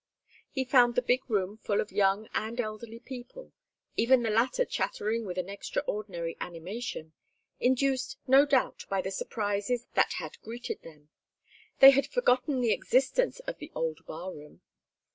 He found the big room full of young and elderly people, even the latter chattering with an extraordinary animation, induced no doubt by the surprises that had greeted them; they had forgotten the existence of the old bar room.